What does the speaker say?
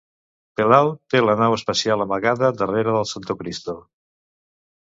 Palao té la nau espacial amagada darrere del Santocristo.